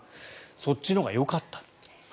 そっちのほうがよかったと。